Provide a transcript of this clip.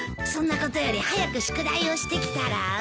そんなことより早く宿題をしてきたら？